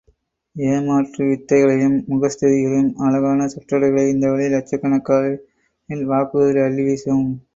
ஏமாற்று வித்தைகளையும் முகஸ்துதிகளையும், அழகான சொற்தொடர்களை இந்தவழி இலட்சக்கணக்கில் வாக்குறுதிகளை அள்ளிவீசும்.